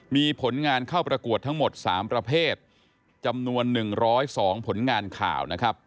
มีผลงานเข้าประกวดทั้งหมด๓ประเภทจำนวน๑๐๒ผลงานข่าวนะครับ